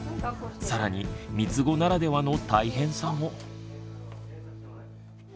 更にみつごならではの大変さも。